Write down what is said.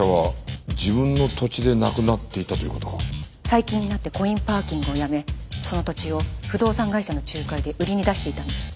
最近になってコインパーキングをやめその土地を不動産会社の仲介で売りに出していたんです。